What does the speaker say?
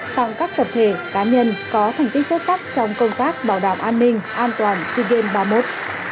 tặng các tập thể cá nhân có thành tích xuất sắc trong công tác bảo đảm an ninh an toàn sea games ba mươi một